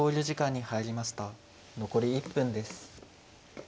残り１分です。